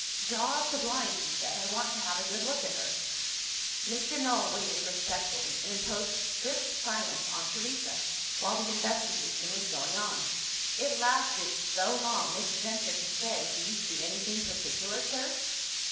"Draw up the blind," he said; "I want to have a good look at her." Mr. Null waited respectfully, and imposed strict silence on Teresa, while the investigation was going on. It lasted so long that he ventured to say, "Do you see anything particular, sir?"